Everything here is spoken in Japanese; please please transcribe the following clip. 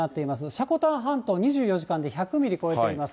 積丹半島、２４時間で１００ミリ超えています。